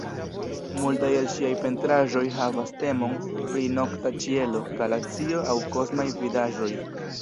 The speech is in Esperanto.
Multaj el ŝiaj pentraĵoj havas temon pri nokta ĉielo, galaksio aŭ kosmaj vidaĵoj.